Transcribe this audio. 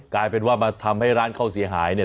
กลายเป็นว่ามาทำให้ร้านเขาเสียหายเนี่ย